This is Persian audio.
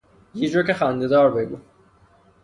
یه جوک خنده دار بگو